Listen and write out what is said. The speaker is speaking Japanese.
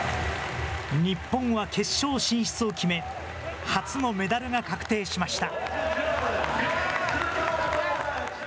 日本は決勝進出を決め、初のメダルが確定しました。